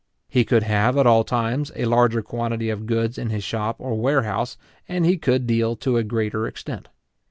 He could have, at all times, a larger quantity of goods in his shop or warehouse, and he could deal to a greater extent.